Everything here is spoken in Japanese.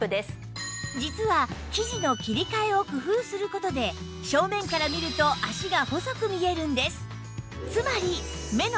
実は生地の切り替えを工夫する事で正面から見ると脚が細く見えるんです